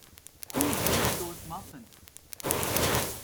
Who baked those muffins?